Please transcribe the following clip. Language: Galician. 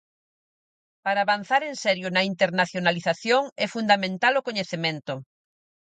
Para avanzar en serio na internacionalización é fundamental o coñecemento.